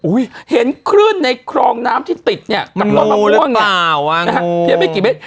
อุ้ยเห็นคลื่นในครองน้ำที่ติดเนี้ยมันมูดหรือเปล่าอ่ะมูด